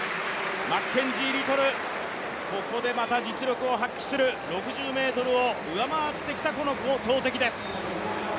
マッケンジー・リトル、ここでまた実力を発揮する６０ｍを上回ってきた投てきです。